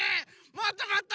もっともっと！